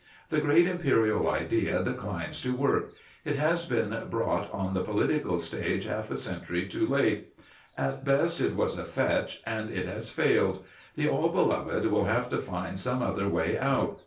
The great Imperial idea declines to work; it has been brought on the political stage half a century too late. At best it was a fetch, and it has failed. The All Beloved will have to find some other way out.